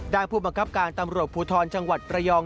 ผู้บังคับการตำรวจภูทรจังหวัดประยอง